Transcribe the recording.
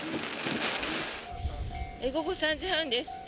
午後３時半です。